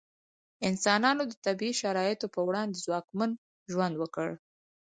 انسانانو د طبیعي شرایطو په وړاندې ځواکمن ژوند وکړ.